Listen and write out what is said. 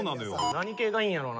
何系がいいんやろうな。